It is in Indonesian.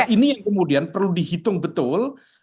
ini yang kemudian perlu dihitung betul